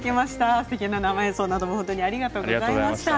すてきな生演奏などもありがとうございました。